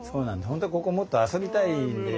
本当はここもっと遊びたいんで。